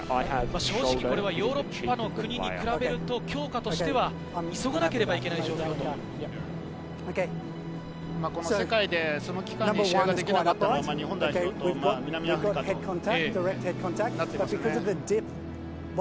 正直これはヨーロッパの国と比べると、強化としては急がなければ世界でその期間に試合ができなかったのは日本代表と南アフリカとなってますよね。